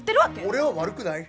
俺は悪くない。